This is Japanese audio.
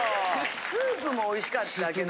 スープもおいしかったけど。